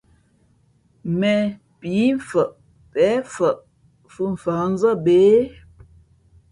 Mēn píi mfαʼ pěn fαʼ fʉ́ fα̌hnzά bě?